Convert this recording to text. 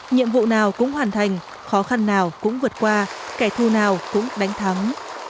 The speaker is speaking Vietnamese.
nhiệm vụ nào cũng hoàn thành khó khăn nào cũng vượt qua kẻ thù nào cũng đánh thắng